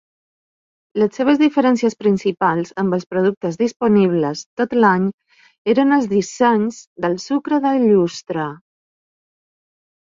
Les seves diferències principals amb els productes disponibles tot l'any eren els dissenys del sucre de llustre.